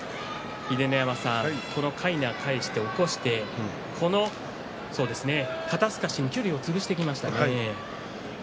このかいなを返して起こして肩すかしに距離を潰していきましたね。